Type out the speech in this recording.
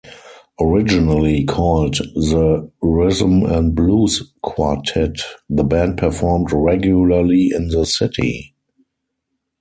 Originally called the Rhythm and Blues Quartette, the band performed regularly in the city.